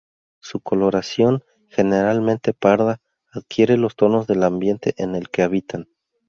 Su coloración, generalmente parda, adquiere los tonos del ambiente en el que habitan.